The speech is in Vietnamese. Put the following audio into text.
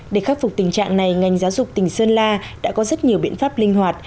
để khắc phục tình trạng này ngành giáo dục tỉnh sơn la đã có rất nhiều biện pháp linh hoạt